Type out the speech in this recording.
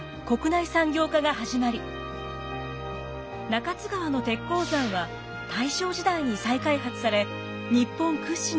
中津川の鉄鉱山は大正時代に再開発され日本屈指の鉱山となりました。